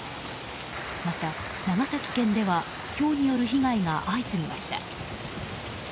また長崎県ではひょうによる被害が相次ぎました。